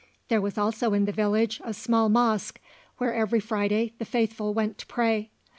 There was also in the village a small mosque, where every Friday the faithful went to pray.